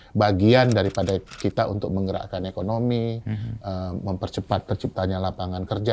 ini bagian daripada kita untuk menggerakkan ekonomi mempercepat terciptanya lapangan kerja